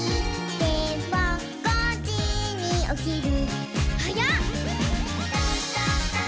「でも５じにおきる」